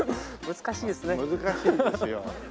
難しいですよ。